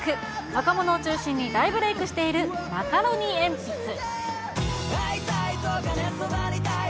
若者を中心に大ブレークしているマカロニえんぴつ。